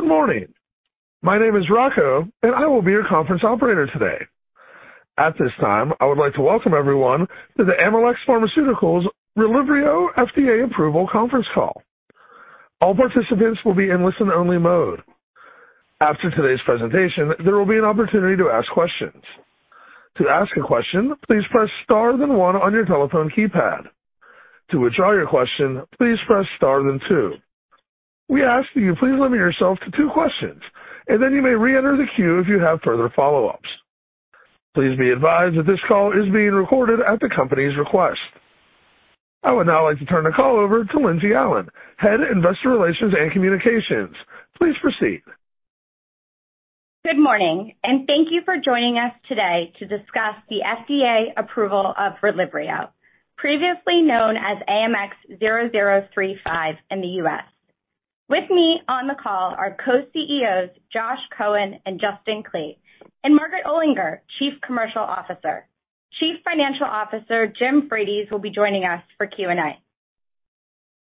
Good morning. My name is Rocco, and I will be your conference operator today. At this time, I would like to welcome everyone to the Amylyx Pharmaceuticals RELYVRIO FDA approval conference call. All participants will be in listen-only mode. After today's presentation, there will be an opportunity to ask questions. To ask a question, please press star then one on your telephone keypad. To withdraw your question, please press star then two. We ask that you please limit yourself to two questions, and then you may reenter the queue if you have further follow-ups. Please be advised that this call is being recorded at the company's request. I would now like to turn the call over to Lindsey Allen, Head of Investor Relations and Communications. Please proceed. Good morning, and thank you for joining us today to discuss the FDA approval of RELYVRIO, previously known as AMX0035 in the US. With me on the call are Co-CEOs Josh Cohen and Justin Klee, and Margaret Olinger, Chief Commercial Officer. Chief Financial Officer Jim Frates will be joining us for Q&A.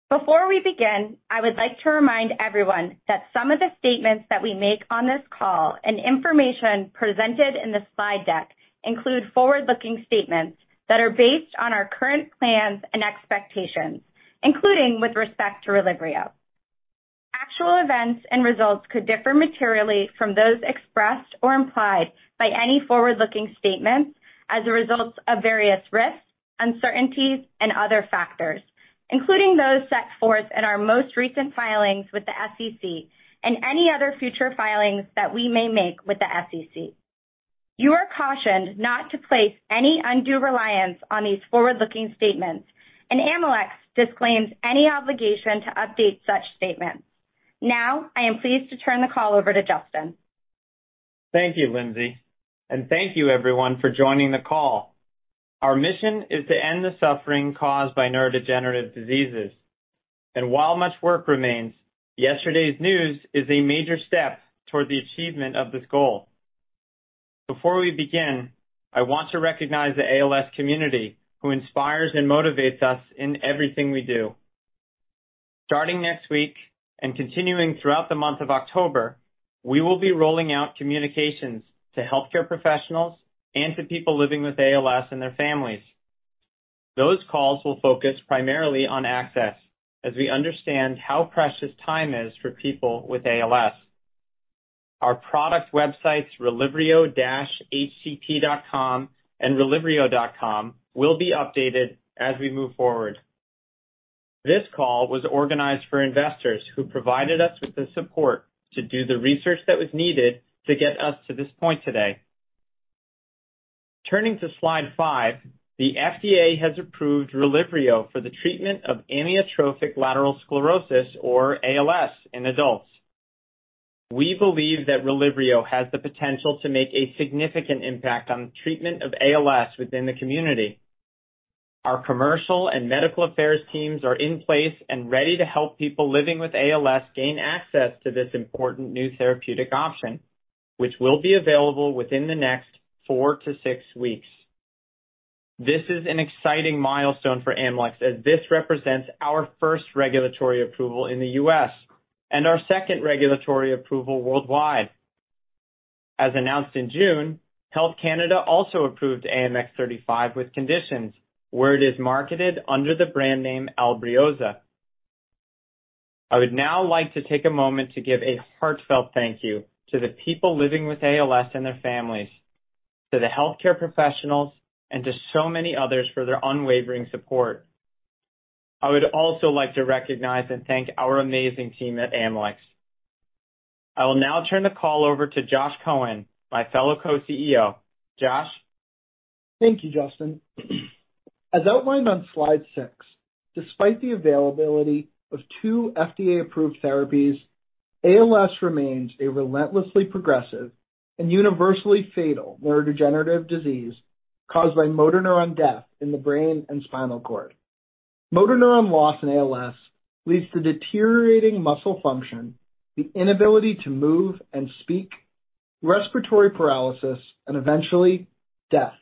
Before we begin, I would like to remind everyone that some of the statements that we make on this call and information presented in the slide deck include forward-looking statements that are based on our current plans and expectations, including with respect to RELYVRIO. Actual events and results could differ materially from those expressed or implied by any forward-looking statements as a result of various risks, uncertainties, and other factors, including those set forth in our most recent filings with the SEC and any other future filings that we may make with the SEC. You are cautioned not to place any undue reliance on these forward-looking statements, and Amylyx disclaims any obligation to update such statements. Now, I am pleased to turn the call over to Justin. Thank you, Lindsey, and thank you everyone for joining the call. Our mission is to end the suffering caused by neurodegenerative diseases. While much work remains, yesterday's news is a major step toward the achievement of this goal. Before we begin, I want to recognize the ALS community, who inspires and motivates us in everything we do. Starting next week, and continuing throughout the month of October, we will be rolling out communications to healthcare professionals and to people living with ALS and their families. Those calls will focus primarily on access, as we understand how precious time is for people with ALS. Our product websites, relyvrio-hcp.com and relyvrio.com, will be updated as we move forward. This call was organized for investors who provided us with the support to do the research that was needed to get us to this point today. Turning to slide five, the FDA has approved Relyvrio for the treatment of amyotrophic lateral sclerosis, or ALS, in adults. We believe that Relyvrio has the potential to make a significant impact on treatment of ALS within the community. Our commercial and medical affairs teams are in place and ready to help people living with ALS gain access to this important new therapeutic option, which will be available within the next four to six weeks. This is an exciting milestone for Amylyx, as this represents our first regulatory approval in the U.S. and our second regulatory approval worldwide. As announced in June, Health Canada also approved AMX0035 with conditions where it is marketed under the brand name ALBRIOZA. I would now like to take a moment to give a heartfelt thank you to the people living with ALS and their families, to the healthcare professionals, and to so many others for their unwavering support. I would also like to recognize and thank our amazing team at Amylyx. I will now turn the call over to Josh Cohen, my fellow co-CEO. Josh? Thank you, Justin. As outlined on slide six, despite the availability of 2 FDA-approved therapies, ALS remains a relentlessly progressive and universally fatal neurodegenerative disease caused by motor neuron death in the brain and spinal cord. Motor neuron loss in ALS leads to deteriorating muscle function, the inability to move and speak, respiratory paralysis, and eventually, death.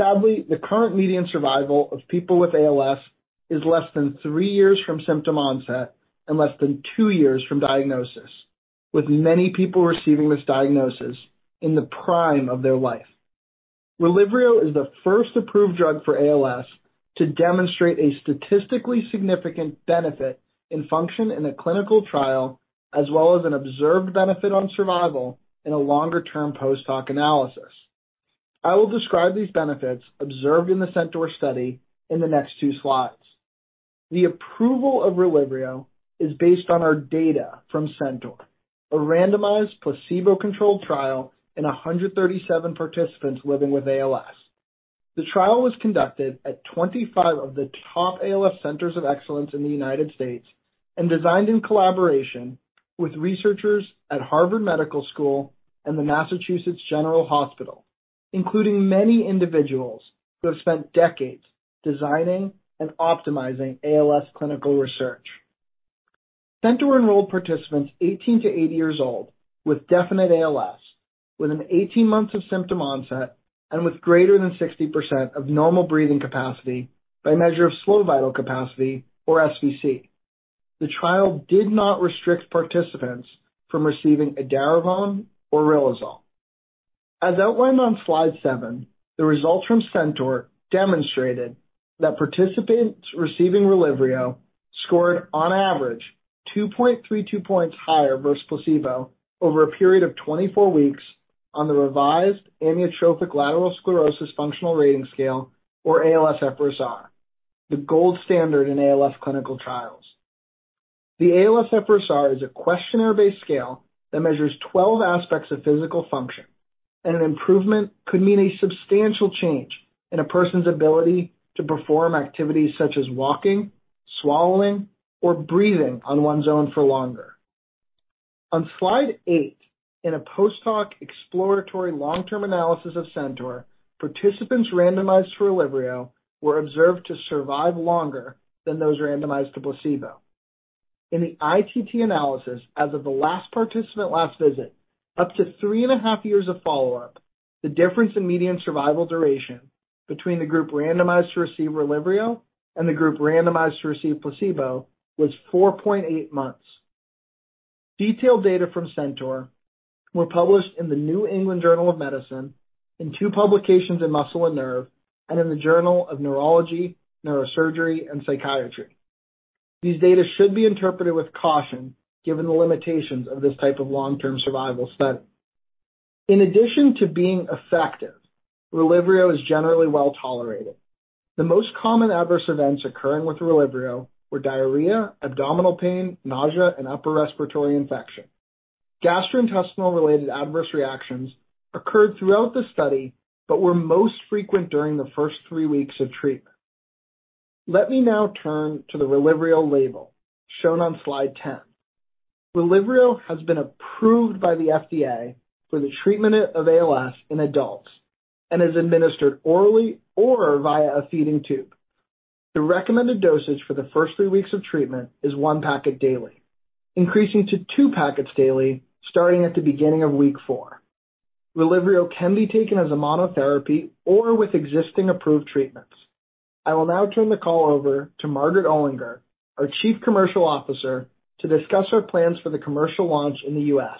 Sadly, the current median survival of people with ALS is less than 3 years from symptom onset and less than 2 years from diagnosis, with many people receiving this diagnosis in the prime of their life. RELYVRIO is the first approved drug for ALS to demonstrate a statistically significant benefit in function in a clinical trial as well as an observed benefit on survival in a longer-term post-hoc analysis. I will describe these benefits observed in the CENTAUR study in the next two slides. The approval of RELYVRIO is based on our data from CENTAUR, a randomized placebo-controlled trial in 137 participants living with ALS. The trial was conducted at 25 of the top ALS centers of excellence in the United States and designed in collaboration with researchers at Harvard Medical School and the Massachusetts General Hospital, including many individuals who have spent decades designing and optimizing ALS clinical research. CENTAUR enrolled participants 18-80 years old with definite ALS within 18 months of symptom onset and with greater than 60% of normal breathing capacity by measure of slow vital capacity, or SVC. The trial did not restrict participants from receiving edaravone or riluzole. As outlined on slide seven, the results from CENTAUR demonstrated that participants receiving RELYVRIO scored on average 2.32 points higher versus placebo over a period of 24 weeks on the revised amyotrophic lateral sclerosis functional rating scale, or ALSFRS-R, the gold standard in ALS clinical trials. The ALSFRS-R is a questionnaire-based scale that measures 12 aspects of physical function, and an improvement could mean a substantial change in a person's ability to perform activities such as walking, swallowing, or breathing on one's own for longer. On slide eight, in a post-hoc exploratory long-term analysis of CENTAUR, participants randomized for RELYVRIO were observed to survive longer than those randomized to placebo. In the ITT analysis, as of the last participant last visit, up to three and a half years of follow-up, the difference in median survival duration between the group randomized to receive RELYVRIO and the group randomized to receive placebo was 4.8 months. Detailed data from CENTAUR were published in the New England Journal of Medicine in two publications in Muscle & Nerve and in the Journal of Neurology, Neurosurgery and Psychiatry. These data should be interpreted with caution given the limitations of this type of long-term survival study. In addition to being effective, RELYVRIO is generally well-tolerated. The most common adverse events occurring with RELYVRIO were diarrhea, abdominal pain, nausea, and upper respiratory infection. Gastrointestinal-related adverse reactions occurred throughout the study but were most frequent during the first three weeks of treatment. Let me now turn to the RELYVRIO label shown on slide 10. RELYVRIO has been approved by the FDA for the treatment of ALS in adults and is administered orally or via a feeding tube. The recommended dosage for the first three weeks of treatment is one packet daily, increasing to two packets daily starting at the beginning of week four. RELYVRIO can be taken as a monotherapy or with existing approved treatments. I will now turn the call over to Margaret Olinger, our Chief Commercial Officer, to discuss her plans for the commercial launch in the U.S.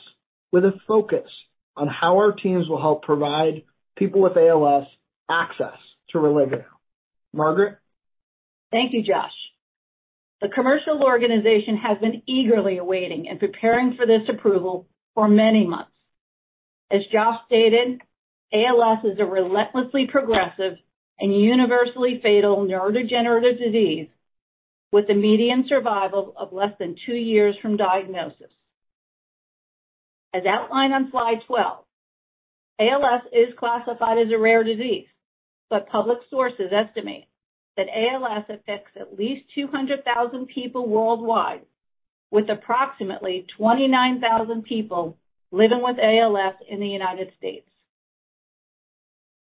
with a focus on how our teams will help provide people with ALS access to RELYVRIO. Margaret? Thank you, Josh. The commercial organization has been eagerly awaiting and preparing for this approval for many months. As Josh stated, ALS is a relentlessly progressive and universally fatal neurodegenerative disease with a median survival of less than 2 years from diagnosis. As outlined on slide 12, ALS is classified as a rare disease, but public sources estimate that ALS affects at least 200,000 people worldwide, with approximately 29,000 people living with ALS in the United States.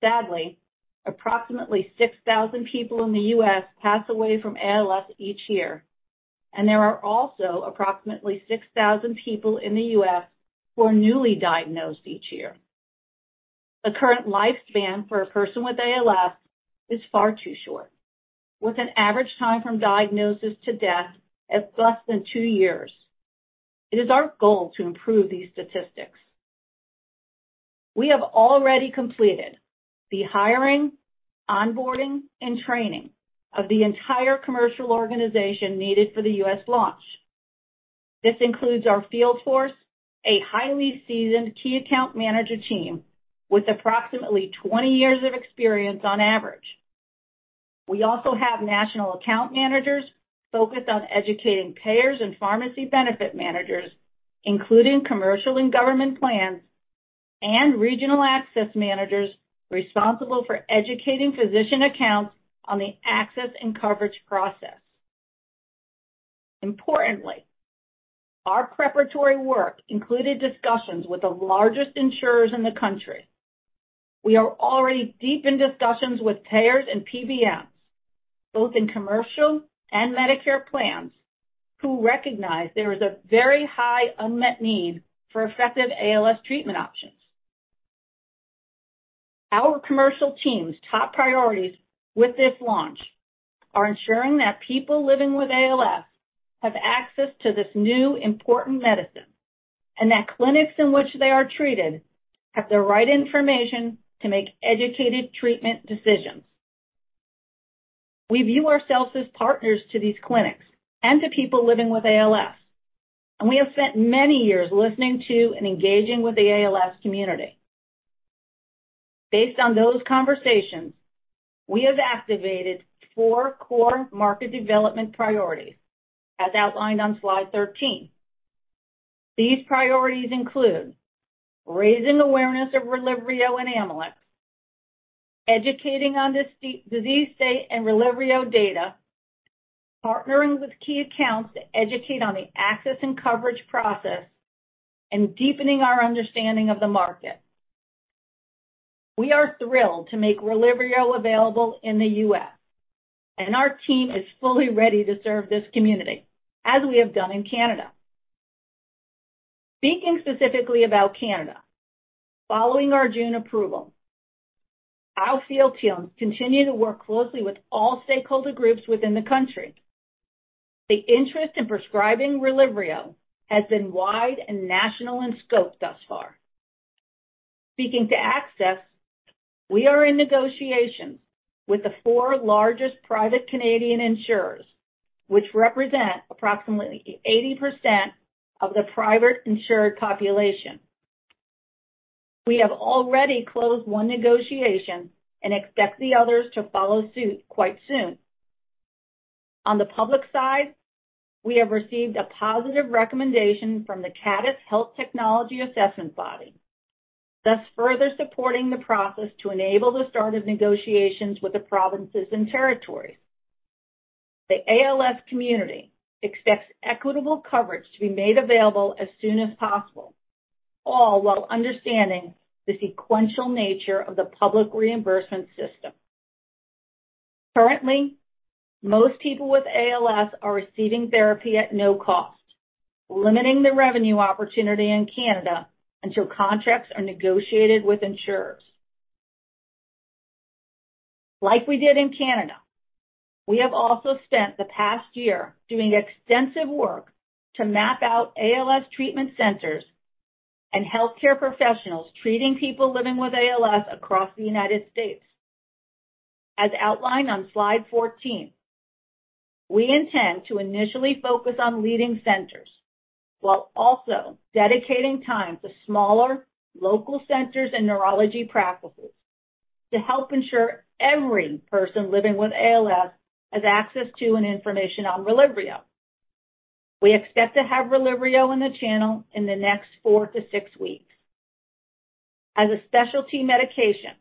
Sadly, approximately 6,000 people in the U.S. pass away from ALS each year, and there are also approximately 6,000 people in the U.S. who are newly diagnosed each year. The current lifespan for a person with ALS is far too short, with an average time from diagnosis to death at less than 2 years. It is our goal to improve these statistics. We have already completed the hiring, onboarding, and training of the entire commercial organization needed for the US launch. This includes our field force, a highly seasoned key account manager team with approximately 20 years of experience on average. We also have national account managers focused on educating payers and pharmacy benefit managers, including commercial and government plans, and regional access managers responsible for educating physician accounts on the access and coverage process. Importantly, our preparatory work included discussions with the largest insurers in the country. We are already deep in discussions with payers and PBMs, both in commercial and Medicare plans, who recognize there is a very high unmet need for effective ALS treatment options. Our commercial team's top priorities with this launch are ensuring that people living with ALS have access to this new important medicine and that clinics in which they are treated have the right information to make educated treatment decisions. We view ourselves as partners to these clinics and to people living with ALS, and we have spent many years listening to and engaging with the ALS community. Based on those conversations, we have activated four core market development priorities, as outlined on slide 13. These priorities include raising awareness of RELYVRIO and Amylyx, educating on this disease state and RELYVRIO data, partnering with key accounts to educate on the access and coverage process, and deepening our understanding of the market. We are thrilled to make RELYVRIO available in the U.S., and our team is fully ready to serve this community as we have done in Canada. Speaking specifically about Canada, following our June approval, our field teams continue to work closely with all stakeholder groups within the country. The interest in prescribing ALBRIOZA has been wide and national in scope thus far. Speaking to access, we are in negotiations with the 4 largest private Canadian insurers, which represent approximately 80% of the private insured population. We have already closed one negotiation and expect the others to follow suit quite soon. On the public side, we have received a positive recommendation from the CADTH health technology assessment body, thus further supporting the process to enable the start of negotiations with the provinces and territories. The ALS community expects equitable coverage to be made available as soon as possible, all while understanding the sequential nature of the public reimbursement system. Currently, most people with ALS are receiving therapy at no cost, limiting the revenue opportunity in Canada until contracts are negotiated with insurers. Like we did in Canada, we have also spent the past year doing extensive work to map out ALS treatment centers and healthcare professionals treating people living with ALS across the United States. As outlined on slide 14, we intend to initially focus on leading centers, while also dedicating time to smaller local centers and neurology practices to help ensure every person living with ALS has access to and information on RELYVRIO. We expect to have RELYVRIO in the channel in the next four to six weeks. As a specialty medication,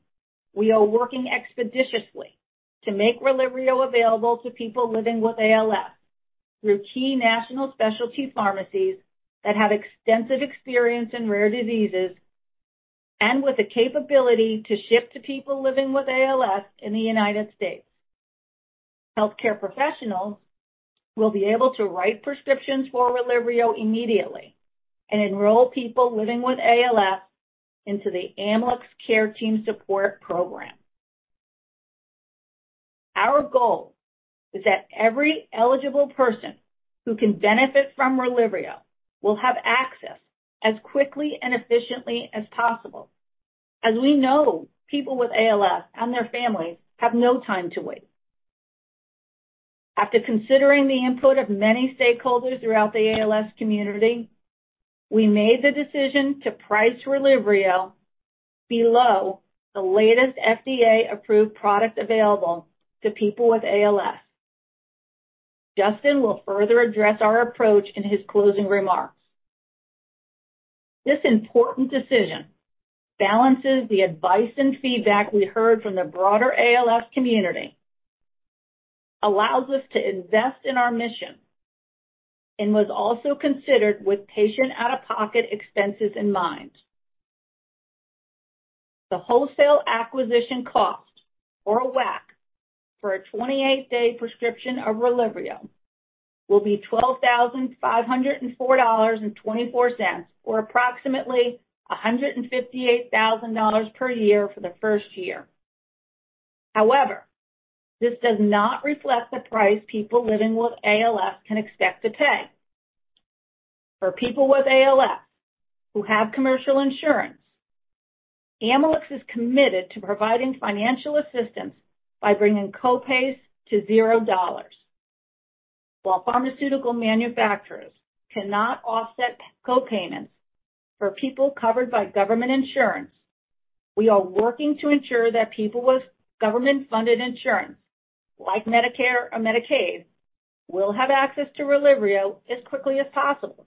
we are working expeditiously to make Relyvrio available to people living with ALS through key national specialty pharmacies that have extensive experience in rare diseases and with the capability to ship to people living with ALS in the United States. Healthcare professionals will be able to write prescriptions for Relyvrio immediately and enroll people living with ALS into the Amylyx Care Team support program. Our goal is that every eligible person who can benefit from Relyvrio will have access as quickly and efficiently as possible, as we know people with ALS and their families have no time to wait. After considering the input of many stakeholders throughout the ALS community, we made the decision to price Relyvrio below the latest FDA-approved product available to people with ALS. Justin will further address our approach in his closing remarks. This important decision balances the advice and feedback we heard from the broader ALS community, allows us to invest in our mission, and was also considered with patient out-of-pocket expenses in mind. The wholesale acquisition cost, or WAC, for a 28-day prescription of RELYVRIO will be $12,504.24, or approximately $158,000 per year for the first year. However, this does not reflect the price people living with ALS can expect to pay. For people with ALS who have commercial insurance, Amylyx is committed to providing financial assistance by bringing co-pays to $0. While pharmaceutical manufacturers cannot offset co-payments for people covered by government insurance, we are working to ensure that people with government-funded insurance, like Medicare or Medicaid, will have access to RELYVRIO as quickly as possible.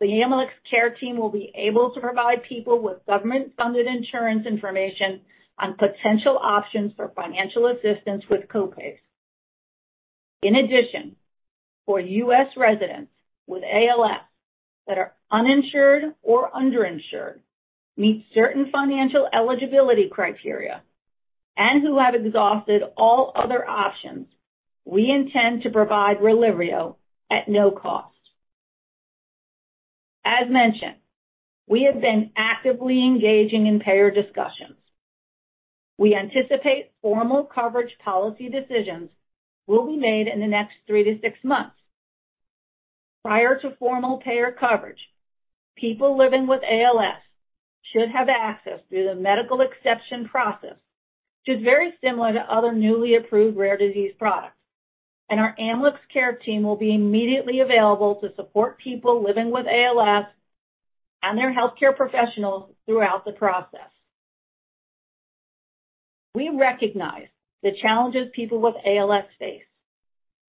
The Amylyx Care Team will be able to provide people with government-funded insurance information on potential options for financial assistance with co-pays. In addition, for U.S. residents with ALS that are uninsured or underinsured, meet certain financial eligibility criteria and who have exhausted all other options, we intend to provide RELYVRIO at no cost. As mentioned, we have been actively engaging in payer discussions. We anticipate formal coverage policy decisions will be made in the next three to six months. Prior to formal payer coverage, people living with ALS should have access through the medical exception process, which is very similar to other newly approved rare disease products. Our Amylyx Care Team will be immediately available to support people living with ALS and their healthcare professionals throughout the process. We recognize the challenges people with ALS face,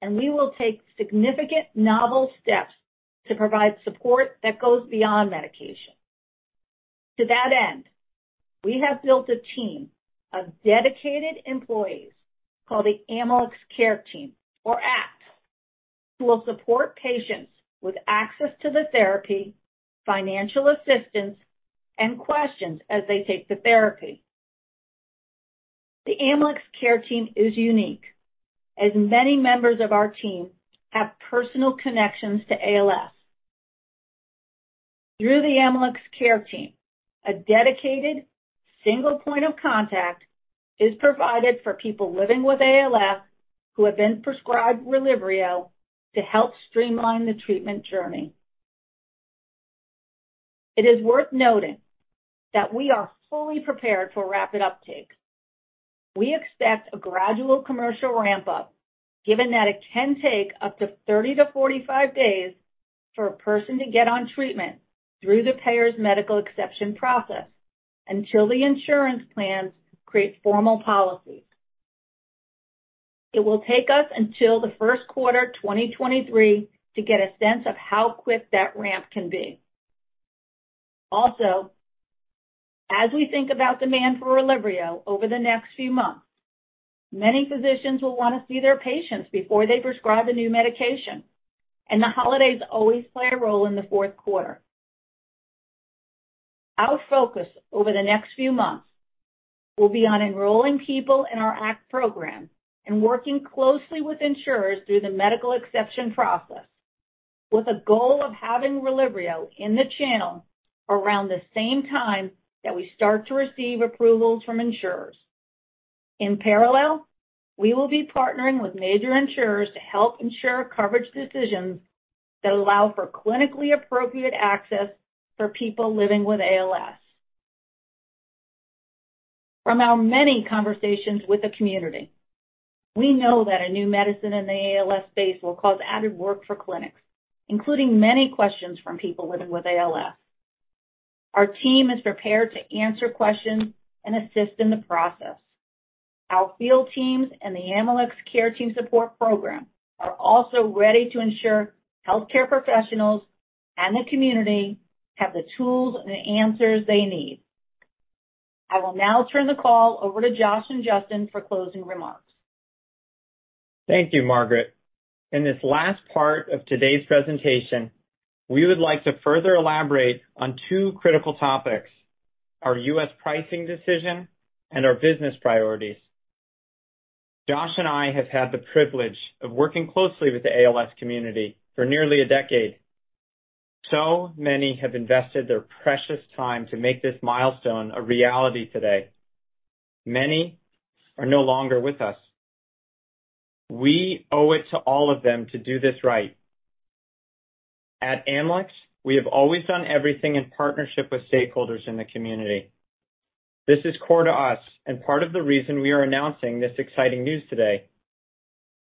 and we will take significant novel steps to provide support that goes beyond medication. To that end, we have built a team of dedicated employees called the Amylyx Care Team, or ACT, will support patients with access to the therapy, financial assistance, and questions as they take the therapy. The Amylyx Care Team is unique, as many members of our team have personal connections to ALS. Through the Amylyx Care Team, a dedicated single point of contact is provided for people living with ALS who have been prescribed RELYVRIO to help streamline the treatment journey. It is worth noting that we are fully prepared for rapid uptake. We expect a gradual commercial ramp-up, given that it can take up to 30-45 days for a person to get on treatment through the payer's medical exception process until the insurance plans create formal policies. It will take us until the Q1 of 2023 to get a sense of how quick that ramp can be. Also, as we think about demand for RELYVRIO over the next few months, many physicians will wanna see their patients before they prescribe a new medication, and the holidays always play a role in the Q4. Our focus over the next few months will be on enrolling people in our ACT program and working closely with insurers through the medical exception process with a goal of having RELYVRIO in the channel around the same time that we start to receive approvals from insurers. In parallel, we will be partnering with major insurers to help ensure coverage decisions that allow for clinically appropriate access for people living with ALS. From our many conversations with the community, we know that a new medicine in the ALS space will cause added work for clinics, including many questions from people living with ALS. Our team is prepared to answer questions and assist in the process. Our field teams and the Amylyx Care Team Support Program are also ready to ensure healthcare professionals and the community have the tools and the answers they need. I will now turn the call over to Josh and Justin for closing remarks. Thank you, Margaret. In this last part of today's presentation, we would like to further elaborate on two critical topics, our U.S. pricing decision and our business priorities. Josh and I have had the privilege of working closely with the ALS community for nearly a decade. So many have invested their precious time to make this milestone a reality today. Many are no longer with us. We owe it to all of them to do this right. At Amylyx, we have always done everything in partnership with stakeholders in the community. This is core to us and part of the reason we are announcing this exciting news today.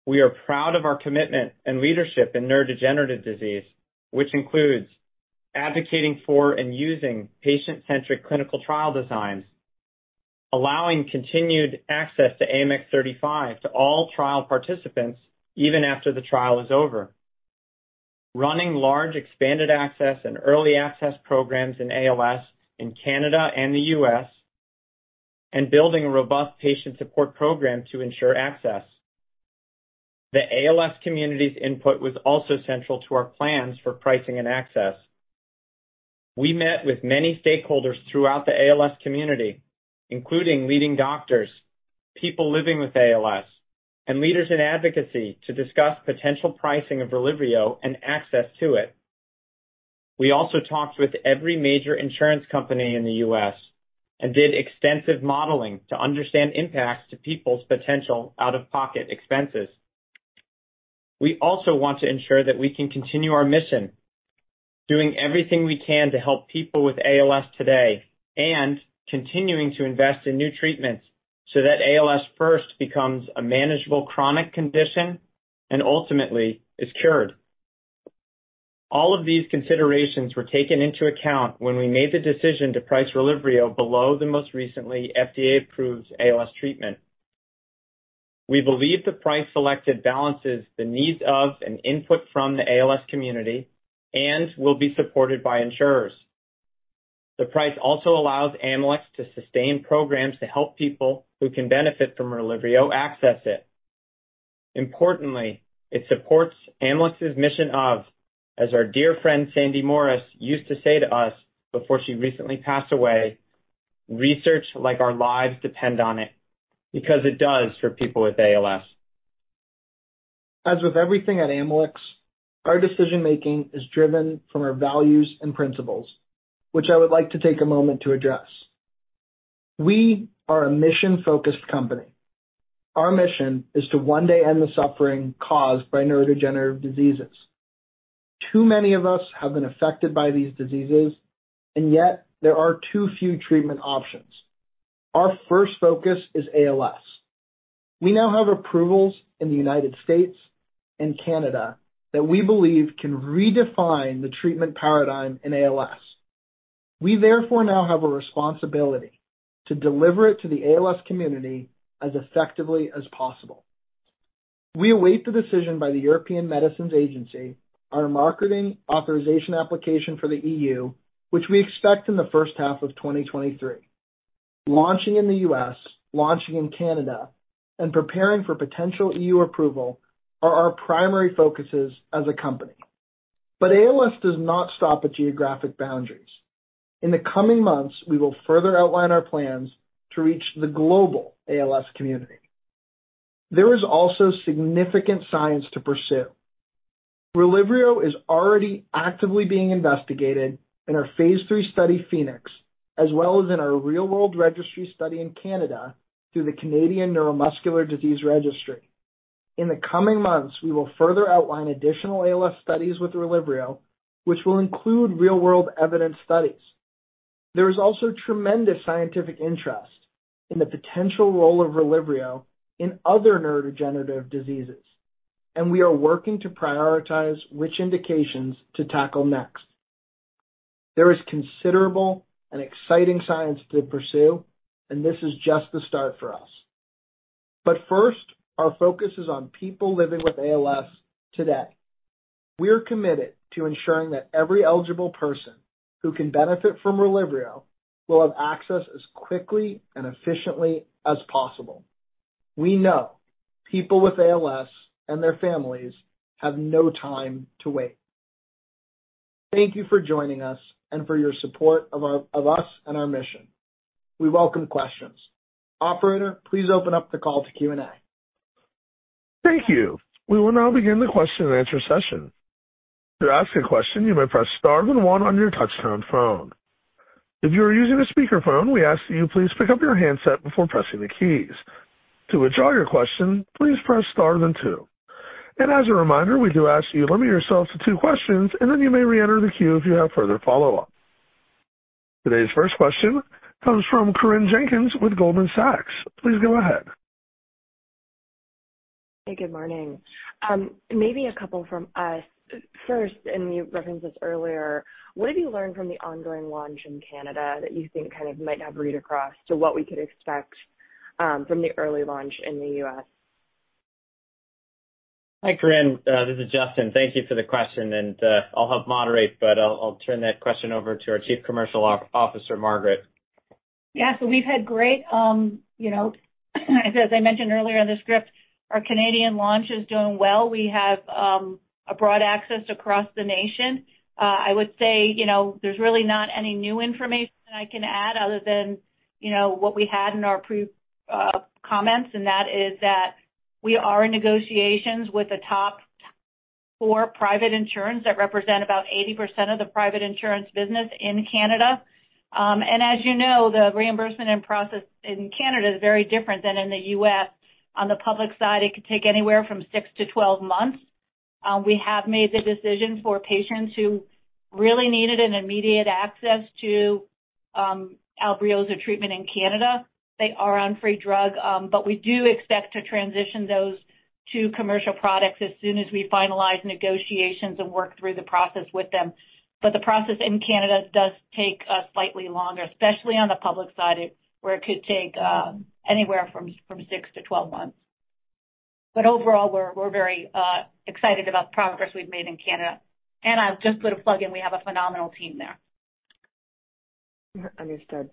We are proud of our commitment and leadership in neurodegenerative disease, which includes advocating for and using patient-centric clinical trial designs, allowing continued access to AMX0035 to all trial participants even after the trial is over, running large expanded access and early access programs in ALS in Canada and the U.S., and building a robust patient support program to ensure access. The ALS community's input was also central to our plans for pricing and access. We met with many stakeholders throughout the ALS community, including leading doctors, people living with ALS, and leaders in advocacy to discuss potential pricing of RELYVRIO and access to it. We also talked with every major insurance company in the U.S. and did extensive modeling to understand impacts to people's potential out-of-pocket expenses. We also want to ensure that we can continue our mission, doing everything we can to help people with ALS today, and continuing to invest in new treatments so that ALS first becomes a manageable chronic condition and ultimately is cured. All of these considerations were taken into account when we made the decision to price RELYVRIO below the most recently FDA-approved ALS treatment. We believe the price selected balances the needs of and input from the ALS community and will be supported by insurers. The price also allows Amylyx to sustain programs to help people who can benefit from RELYVRIO access it. Importantly, it supports Amylyx's mission of, as our dear friend Sandy Morris used to say to us before she recently passed away, "Research like our lives depend on it," because it does for people with ALS. As with everything at Amylyx, our decision-making is driven from our values and principles, which I would like to take a moment to address. We are a mission-focused company. Our mission is to one day end the suffering caused by neurodegenerative diseases. Too many of us have been affected by these diseases, and yet there are too few treatment options. Our first focus is ALS. We now have approvals in the United States and Canada that we believe can redefine the treatment paradigm in ALS. We therefore now have a responsibility to deliver it to the ALS community as effectively as possible. We await the decision by the European Medicines Agency on our marketing authorization application for the E.U., which we expect in the first half of 2023. Launching in the U.S., launching in Canada, and preparing for potential E.U. approval are our primary focuses as a company. ALS does not stop at geographic boundaries. In the coming months, we will further outline our plans to reach the global ALS community. There is also significant science to pursue. RELYVRIO is already actively being investigated in our phase III study, PHOENIX, as well as in our real-world registry study in Canada through the Canadian Neuromuscular Disease Registry. In the coming months, we will further outline additional ALS studies with RELYVRIO, which will include real-world evidence studies. There is also tremendous scientific interest in the potential role of RELYVRIO in other neurodegenerative diseases, and we are working to prioritize which indications to tackle next. There is considerable and exciting science to pursue, and this is just the start for us. First, our focus is on people living with ALS today. We're committed to ensuring that every eligible person who can benefit from RELYVRIO will have access as quickly and efficiently as possible. We know people with ALS and their families have no time to wait. Thank you for joining us and for your support of us and our mission. We welcome questions. Operator, please open up the call to Q&A. Thank you. We will now begin the question and answer session. To ask a question, you may press star then one on your touchtone phone. If you are using a speakerphone, we ask that you please pick up your handset before pressing the keys. To withdraw your question, please press star then two. As a reminder, we do ask that you limit yourself to two questions, and then you may reenter the queue if you have further follow-up. Today's first question comes from Corinne Jenkins with Goldman Sachs. Please go ahead. Hey, good morning. Maybe a couple from us. First, you referenced this earlier, what have you learned from the ongoing launch in Canada that you think kind of might have read across to what we could expect from the early launch in the US? Hi, Corinne. This is Justin. Thank you for the question, and I'll help moderate, but I'll turn that question over to our Chief Commercial Officer, Margaret. Yeah. We've had great, you know, as I mentioned earlier in the script, our Canadian launch is doing well. We have a broad access across the nation. I would say, you know, there's really not any new information I can add other than, you know, what we had in our prepared comments, and that is that we are in negotiations with the top four private insurers that represent about 80% of the private insurance business in Canada. As you know, the reimbursement process in Canada is very different than in the U.S. On the public side, it could take anywhere from six to 2 months. We have made the decision for patients who really needed an immediate access to ALBRIOZA treatment in Canada. They are on free drug, but we do expect to transition those to commercial products as soon as we finalize negotiations and work through the process with them. The process in Canada does take slightly longer, especially on the public side, where it could take anywhere from six to 12 months. Overall, we're very excited about the progress we've made in Canada. I'll just put a plug in. We have a phenomenal team there. Understood.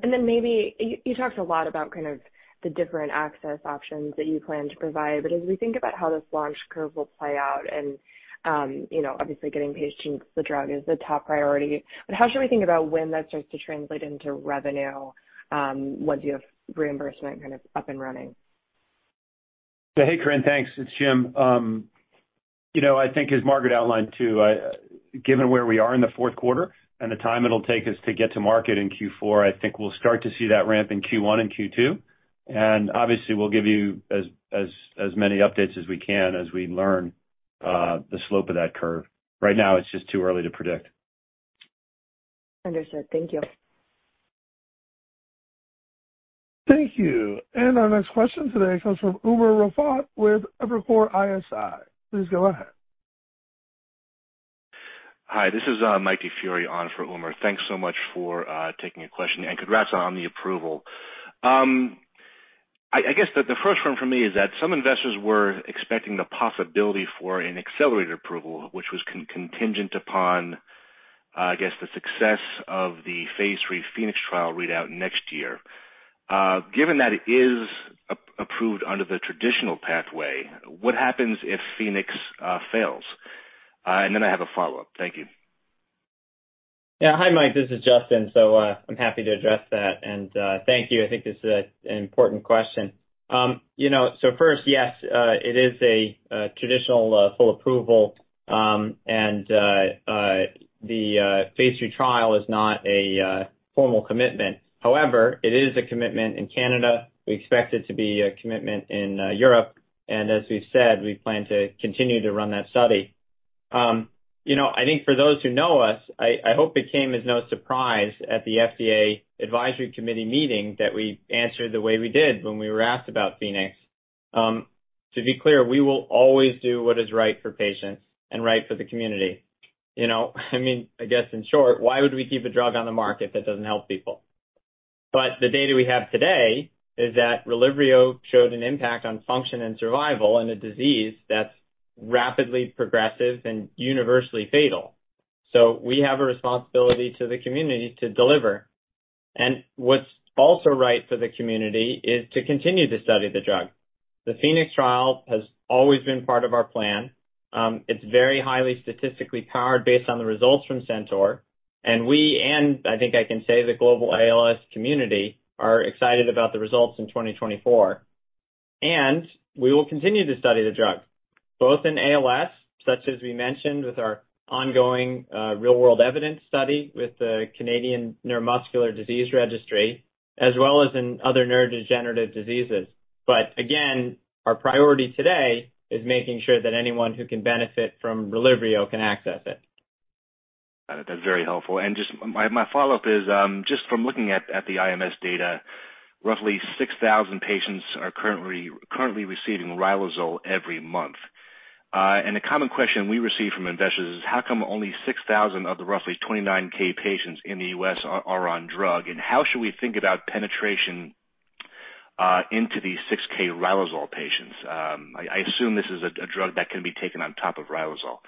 Maybe you talked a lot about kind of the different access options that you plan to provide, but as we think about how this launch curve will play out and, you know, obviously getting patients the drug is the top priority, but how should we think about when that starts to translate into revenue, once you have reimbursement kind of up and running? Hey, Corinne. Thanks. It's Jim. You know, I think as Margaret outlined too, given where we are in the Q4 and the time it'll take us to get to market in Q4, I think we'll start to see that ramp in Q1 and Q2. Obviously, we'll give you as many updates as we can as we learn the slope of that curve. Right now it's just too early to predict. Understood. Thank you. Thank you. Our next question today comes from Umer Raffat with Evercore ISI. Please go ahead. Hi, this is Mike DiFiore on for Umer. Thanks so much for taking a question, and congrats on the approval. I guess the first one for me is that some investors were expecting the possibility for an accelerated approval, which was contingent upon the success of the phase III PHOENIX trial readout next year. Given that it is approved under the traditional pathway, what happens if PHOENIX fails? And then I have a follow-up. Thank you. Yeah. Hi, Mikey, this is Justin. I'm happy to address that and thank you. I think this is an important question. You know, first, yes, it is a traditional full approval, and the phase III trial is not a formal commitment. However, it is a commitment in Canada. We expect it to be a commitment in Europe. As we've said, we plan to continue to run that study. You know, I think for those who know us, I hope it came as no surprise at the FDA advisory committee meeting that we answered the way we did when we were asked about PHOENIX. To be clear, we will always do what is right for patients and right for the community. You know? I mean, I guess in short, why would we keep a drug on the market that doesn't help people? The data we have today is that RELYVRIO showed an impact on function and survival in a disease that's rapidly progressive and universally fatal. We have a responsibility to the community to deliver. What's also right for the community is to continue to study the drug. The PHOENIX trial has always been part of our plan. It's very highly statistically powered based on the results from CENTAUR. We, I think I can say the global ALS community, are excited about the results in 2024. We will continue to study the drug, both in ALS, such as we mentioned with our ongoing real-world evidence study with the Canadian Neuromuscular Disease Registry, as well as in other neurodegenerative diseases. Again, our priority today is making sure that anyone who can benefit from RELYVRIO can access it. Got it. That's very helpful. Just my follow-up is just from looking at the IMS data, roughly 6,000 patients are currently receiving riluzole every month. A common question we receive from investors is: How come only 6,000 of the roughly 29,000 patients in the U.S. are on drug, and how should we think about penetration into these 6,000 riluzole patients? I assume this is a drug that can be taken on top of riluzole.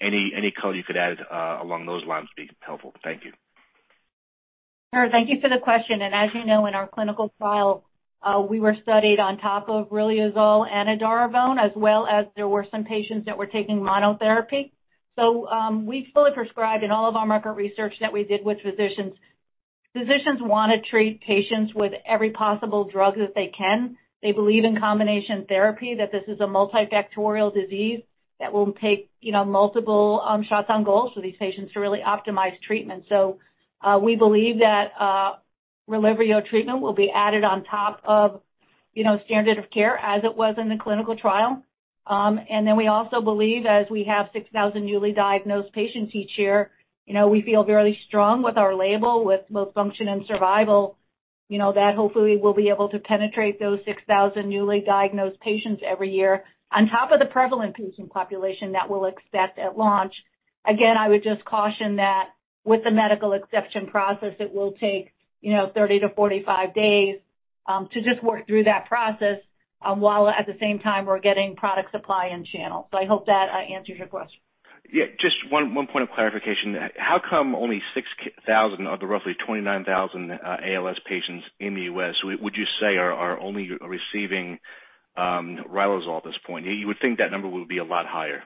Any color you could add along those lines would be helpful. Thank you. Sure. Thank you for the question. As you know, in our clinical trial, we were studied on top of riluzole and edaravone, as well as there were some patients that were taking monotherapy. We found in all of our market research that we did with physicians. Physicians wanna treat patients with every possible drug that they can. They believe in combination therapy, that this is a multifactorial disease that will take, you know, multiple shots on goal for these patients to really optimize treatment. We believe that RELYVRIO treatment will be added on top of, you know, standard of care as it was in the clinical trial. We also believe, as we have 6,000 newly diagnosed patients each year, you know, we feel very strong with our label with both function and survival, you know, that hopefully we'll be able to penetrate those 6,000 newly diagnosed patients every year on top of the prevalent patient population that we'll accept at launch. Again, I would just caution that with the medical exception process, it will take, you know, 30-45 days to just work through that process while at the same time we're getting product supply in channel. I hope that answers your question. Yeah, just one point of clarification. How come only 6,000 of the roughly 29,000 ALS patients in the U.S. would you say are only receiving riluzole at this point? You would think that number would be a lot higher.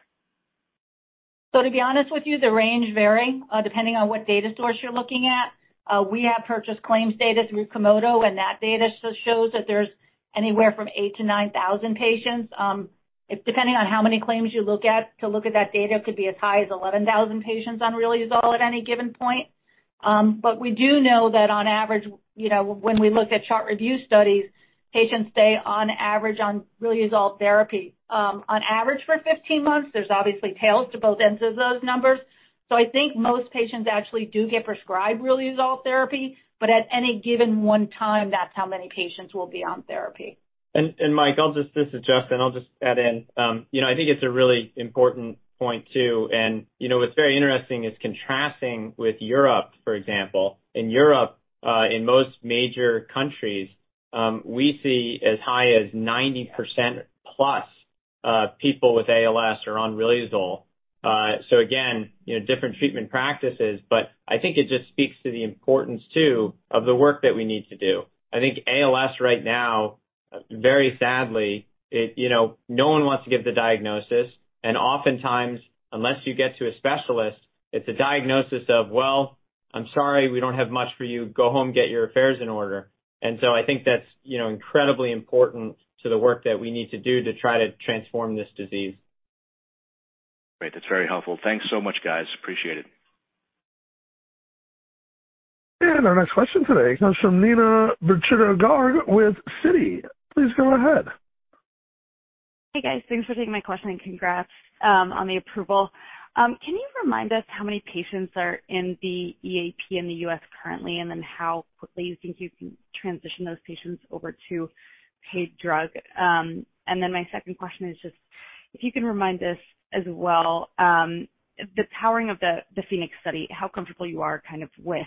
To be honest with you, the range varies, depending on what data source you're looking at. We have purchased claims data through Komodo, and that data shows that there's anywhere from 8,000-9,000 patients. If depending on how many claims you look at to look at that data, could be as high as 11,000 patients on riluzole at any given point. But we do know that on average, you know, when we look at chart review studies, patients stay on average on riluzole therapy, on average for 15 months. There's obviously tails to both ends of those numbers. I think most patients actually do get prescribed riluzole therapy, but at any given one time, that's how many patients will be on therapy. Mikey, this is Justin. I'll just add in. You know, I think it's a really important point, too. You know, what's very interesting is contrasting with Europe, for example. In Europe, in most major countries, we see as high as 90% plus, people with ALS are on riluzole. So again, you know, different treatment practices, but I think it just speaks to the importance too of the work that we need to do. I think ALS right now, very sadly, you know, no one wants to give the diagnosis. Oftentimes, unless you get to a specialist, it's a diagnosis of, "Well, I'm sorry, we don't have much for you. Go home, get your affairs in order." I think that's, you know, incredibly important to the work that we need to do to try to transform this disease. Great. That's very helpful. Thanks so much, guys. Appreciate it. Our next question today comes from Neena Bitritto-Garg with Citi. Please go ahead. Hey, guys. Thanks for taking my question, and congrats on the approval. Can you remind us how many patients are in the EAP in the U.S. currently, and then how quickly you think you can transition those patients over to paid drug? My second question is just if you can remind us as well, the powering of the PHOENIX study, how comfortable you are kind of with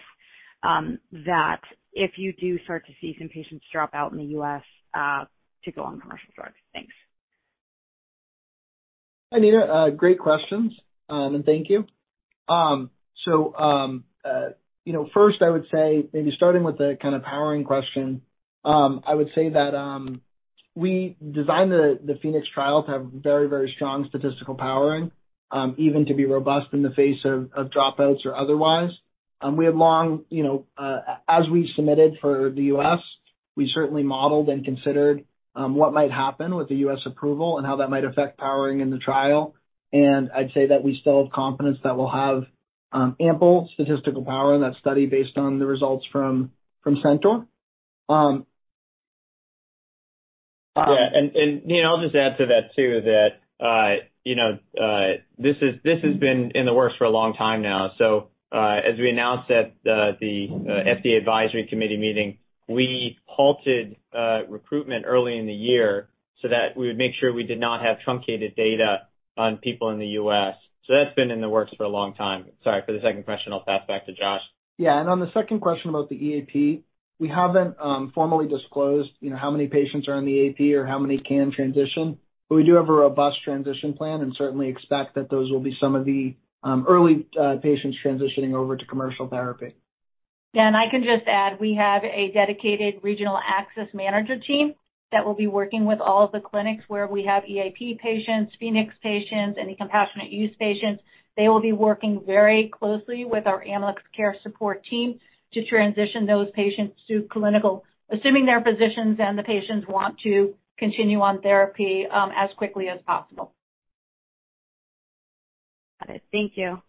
that if you do start to see some patients drop out in the U.S. to go on commercial drugs? Thanks. Hi, Nina. Great questions, and thank you. You know, first I would say, maybe starting with the kind of powering question, I would say that we designed the PHOENIX trial to have very, very strong statistical powering, even to be robust in the face of dropouts or otherwise. We have long, you know, as we submitted for the U.S., we certainly modeled and considered what might happen with the U.S. approval and how that might affect powering in the trial. I'd say that we still have confidence that we'll have ample statistical power in that study based on the results from CENTAUR. Neena, I'll just add to that too, that you know this has been in the works for a long time now. As we announced at the FDA advisory committee meeting, we halted recruitment early in the year so that we would make sure we did not have truncated data on people in the U.S. That's been in the works for a long time. Sorry, for the second question, I'll pass back to Josh. Yeah. On the second question about the EAP, we haven't formally disclosed, you know, how many patients are on the EAP or how many can transition, but we do have a robust transition plan and certainly expect that those will be some of the early patients transitioning over to commercial therapy. Yeah. I can just add, we have a dedicated regional access manager team that will be working with all of the clinics where we have EAP patients, PHOENIX patients, any Compassionate Use patients. They will be working very closely with our Amylyx Care Team to transition those patients to clinical, assuming their physicians and the patients want to continue on therapy, as quickly as possible. Got it. Thank you.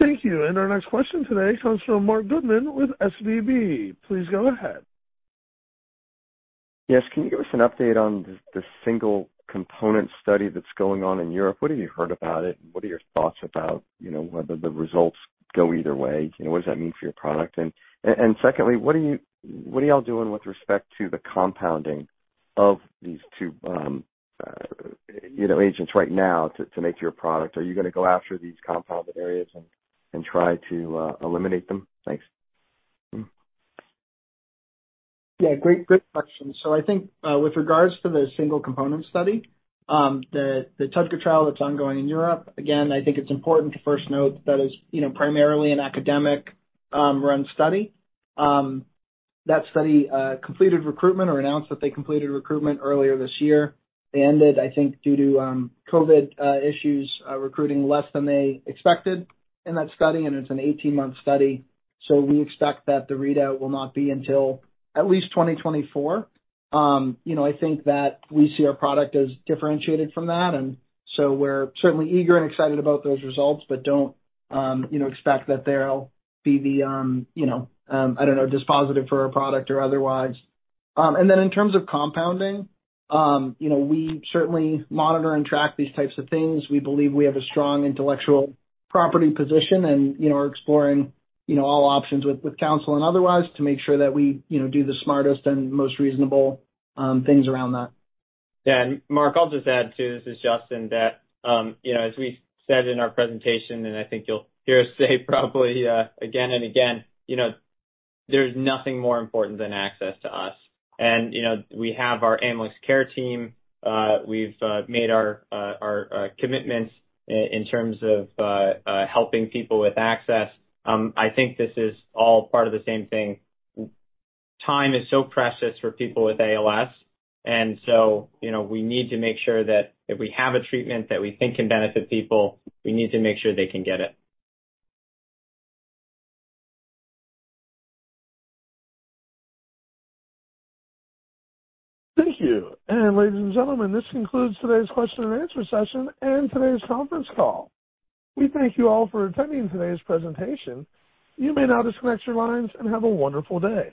Thank you. Our next question today comes from Marc Goodman with SVB. Please go ahead. Yes. Can you give us an update on the single component study that's going on in Europe? What have you heard about it, and what are your thoughts about, you know, whether the results go either way? You know, what does that mean for your product? And secondly, what are y'all doing with respect to the compounding of these two, you know, agents right now to make your product? Are you gonna go after these compounded areas and try to eliminate them? Thanks. Great question. I think with regards to the single component study, the TUDCA trial that's ongoing in Europe, again, I think it's important to first note that it is, you know, primarily an academic run study. That study completed recruitment or announced that they completed recruitment earlier this year. They ended up, I think, due to COVID issues, recruiting less than they expected in that study, and it's an 18-month study, so we expect that the readout will not be until at least 2024. You know, I think that we see our product as differentiated from that, and so we're certainly eager and excited about those results, but don't, you know, expect that they'll be the, you know, I don't know, dispositive for our product or otherwise. in terms of compounding, you know, we certainly monitor and track these types of things. We believe we have a strong intellectual property position and, you know, are exploring, you know, all options with counsel and otherwise to make sure that we, you know, do the smartest and most reasonable things around that. Marc, I'll just add, too. This is Justin. That, you know, as we said in our presentation, and I think you'll hear us say probably again and again, you know, there's nothing more important than access to us. You know, we have our Amylyx Care Team. We've made our commitments in terms of helping people with access. I think this is all part of the same thing. Time is so precious for people with ALS, and so, you know, we need to make sure that if we have a treatment that we think can benefit people, we need to make sure they can get it. Thank you. Ladies and gentlemen, this concludes today's question and answer session and today's conference call. We thank you all for attending today's presentation. You may now disconnect your lines and have a wonderful day.